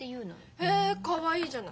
へえかわいいじゃない。